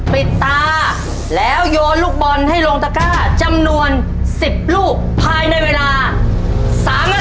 ปิดตาแล้วโยนลูกบอลให้ลงตะก้าจำนวน๑๐ลูกภายในเวลา๓นาที